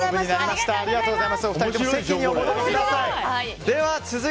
お二人とも席にお戻りください。